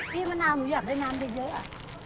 มะนาวหนูอยากได้น้ำเยอะอะ